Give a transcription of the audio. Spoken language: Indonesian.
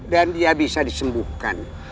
dan ia bisa disembuhkan